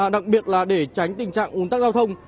đặc biệt là để tránh tình trạng ồn tắc giao thông